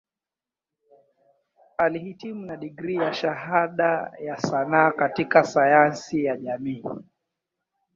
Alihitimu na digrii ya Shahada ya Sanaa katika Sayansi ya Jamii.